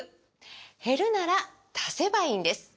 減るなら足せばいいんです！